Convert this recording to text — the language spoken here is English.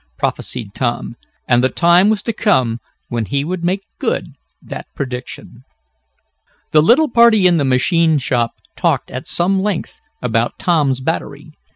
prophesied Tom, and the time was to come when he would make good that prediction. The little party in the machine shop talked at some length about Tom's battery.